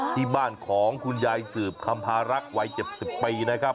ที่บ้านของคุณยายสืบคำพารักษ์วัย๗๐ปีนะครับ